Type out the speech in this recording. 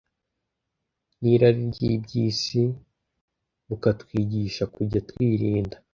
n’irari ry’iby’isi, bukatwigisha kujya twirinda,